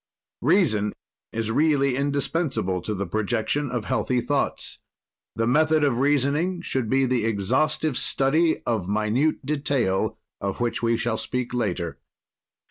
"Reason is really indispensable to the projection of healthy thoughts. "The method of reasoning should be the exhaustive study of minute detail, of which we shall speak later.